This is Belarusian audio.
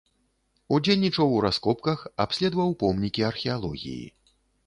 Удзельнічаў у раскопках, абследаваў помнікі археалогіі.